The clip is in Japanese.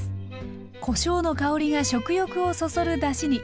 こしょうの香りが食欲をそそるだしに。